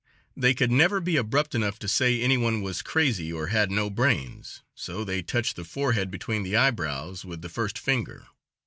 They could never be abrupt enough to say any one was crazy or had no brains, so they touch the forehead, between the eyebrows, with the first finger.